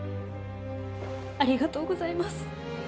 ありがとうございます。